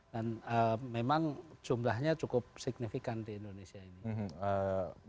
dan memang jumlahnya cukup signifikan di indonesia ini